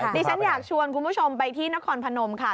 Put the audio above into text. ดิฉันอยากชวนคุณผู้ชมไปที่นครพนมค่ะ